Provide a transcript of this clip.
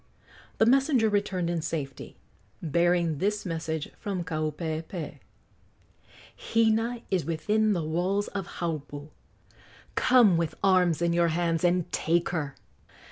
The messenger returned in safety, bearing this message from Kaupeepee: "Hina is within the walls of Haupu. Come with arms in your hands and take her!"